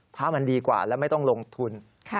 ถ้ามันดีกว่าแล้วไม่ต้องลงทุน